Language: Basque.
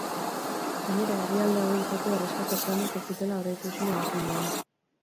Gainera, herrialde hauentzako erreskate planik ez dutela aurreikusi nabarmendu du.